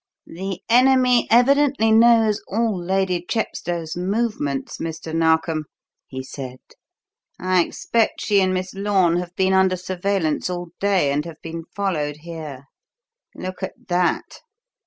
"The enemy evidently knows all Lady Chepstow's movements, Mr. Narkom," he said. "I expect she and Miss Lorne have been under surveillance all day and have been followed here. Look at that!"